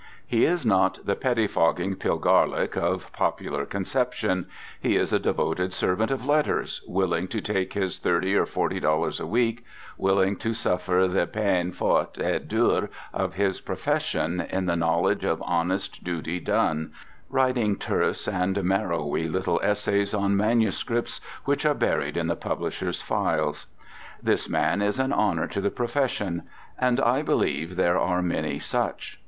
He is not the pettifogging pilgarlic of popular conception: he is a devoted servant of letters, willing to take his thirty or forty dollars a week, willing to suffer the peine forte et dure of his profession in the knowledge of honest duty done, writing terse and marrowy little essays on manuscripts, which are buried in the publishers' files. This man is an honour to the profession, and I believe there are many such.